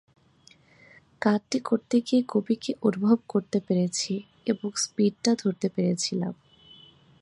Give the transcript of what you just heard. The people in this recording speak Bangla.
গানটি করতে গিয়ে কবিকে অনুভব করতে পেরেছি এবং স্পিডটা ধরতে পেরেছিলাম।